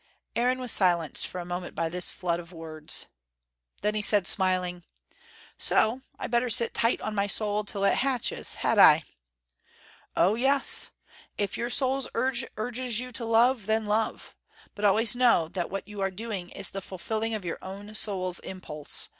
Aaron was silenced for a moment by this flood of words. Then he said smiling: "So I'd better sit tight on my soul, till it hatches, had I?" "Oh, yes. If your soul's urge urges you to love, then love. But always know that what you are doing is the fulfilling of your own soul's impulse.